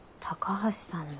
高橋さん！